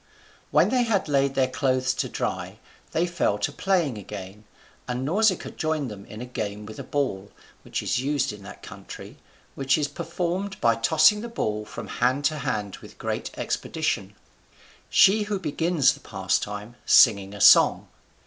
When they had laid their clothes to dry, they fell to playing again, and Nausicaa joined them in a game with the ball, which is used in that country, which is performed by tossing the ball from hand to hand with great expedition, she who begins the pastime singing a song.